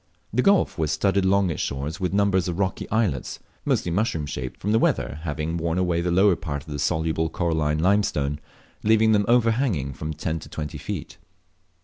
This gulf was studded along its shores with numbers of rocky islets, mostly mushroom shaped, from the `eater having worn away the lower part of the soluble coralline limestone, leaving them overhanging from ten to twenty feet.